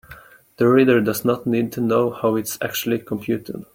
The reader does not need to know how it is actually computed.